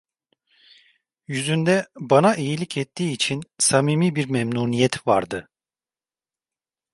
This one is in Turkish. Yüzünde, bana iyilik ettiği için, samimi bir memnuniyet vardı.